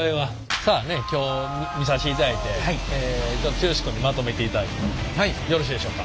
さあ今日見させていただいて剛君にまとめていただいてもよろしいでしょうか？